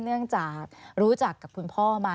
เนื่องจากรู้จักกับคุณพ่อมา